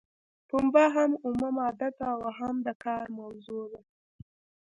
پنبه هم اومه ماده ده او هم د کار موضوع ده.